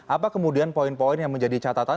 apa kemudian poin poin yang menjadi catatan